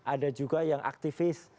ada juga yang aktivis